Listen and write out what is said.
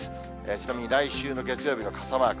ちなみに来週の月曜日が傘マーク。